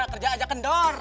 kerja aja kendor